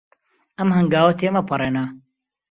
ئەم هەنگاوە تێمەپەڕێنە.